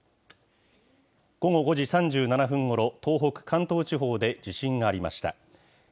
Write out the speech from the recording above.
午後５時３７分ごろ、東北、関東地方で地震がありました。